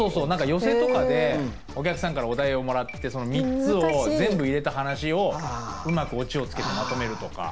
寄席とかでお客さんからお題をもらってその三つを全部入れた噺をうまくオチをつけてまとめるとか。